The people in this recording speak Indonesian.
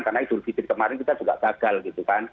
karena idul fitri kemarin kita juga gagal gitu kan